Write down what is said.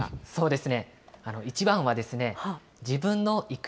そうです。